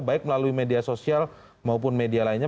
baik melalui media sosial maupun media lainnya